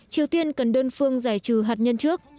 triều tiên cần đơn phương giải trừ hạt nhân trước